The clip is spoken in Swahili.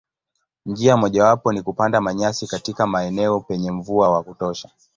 Njia mojawapo ni kupanda manyasi katika maeneo penye mvua wa kutosha.